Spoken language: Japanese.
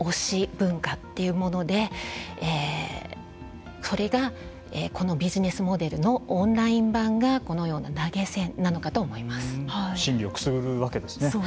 文化というものでそれがこのビジネスモデルのオンライン版が、このような投げ銭なのかと思います。